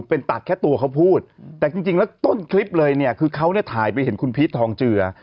เป็นตัดแค่ตัวเขาพูดแต่จริงแล้วต้นคลิปเลยเนี่ยคือเขาเนี่ยถ่ายไปเห็นคุณพีชทองเจือ